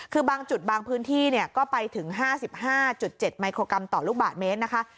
คือบางจุดบางพื้นที่ก็ไปถึง๕๕๗มิโครกรัมต่อลูกบาทเมตรนะคะ